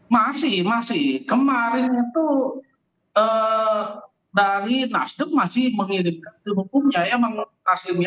masih masih kemarin itu dari nasdem masih mengirimkan tim hukumnya ya